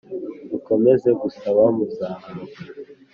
Mukomeze gusaba muzahabwa